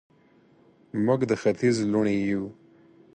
موږ د ختیځ لوڼې یو